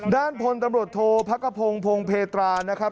ด้านพลตำรวจโทษพักกระพงพงเพตรานะครับ